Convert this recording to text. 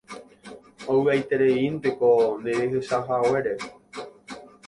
Ovy'aitereínteko nderechahaguére